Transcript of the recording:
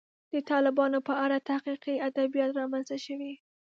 د طالبانو په اړه تحقیقي ادبیات رامنځته شوي.